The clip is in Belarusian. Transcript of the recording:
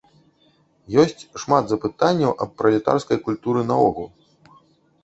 Ёсць шмат запытанняў аб пралетарскай культуры наогул.